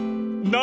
何？